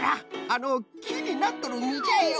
あのきになっとるみじゃよ。